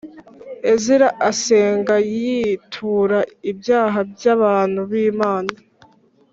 Ezira asenga y tura ibyaha by abantu b Imana